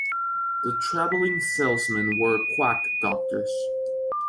The traveling salesmen were quack doctors.